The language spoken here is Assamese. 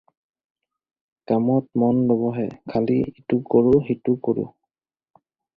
কামত মন নবহে খালি ইটো কৰো সিটো কৰোঁ।